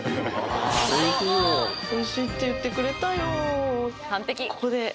おいしい「おいしい」って言ってくれたよ